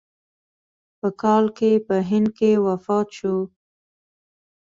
په کال کې په هند کې وفات شو.